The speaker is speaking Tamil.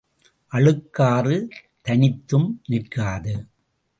அழுக்காறு தனித்தும் நிற்காது.